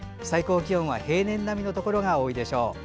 最高気温は平年並みのところが多いでしょう。